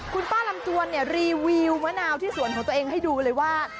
คุณป้าลำจวนเนี่ยรีวิวมะนาวที่สวนของตัวเองให้ดูเลยว่า